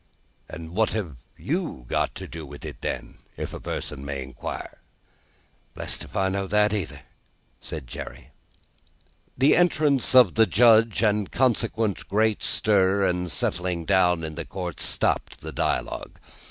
"What have you got to do with it, then, if a person may inquire?" "Blest if I know that either," said Jerry. The entrance of the Judge, and a consequent great stir and settling down in the court, stopped the dialogue.